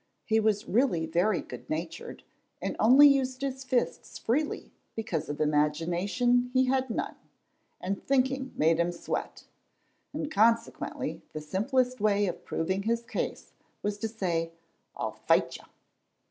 He was really very good natured, and only used his fists freely because of imagination he had none, and thinking made him sweat, and consequently the simplest way of proving his case was to say, "I'll fight you."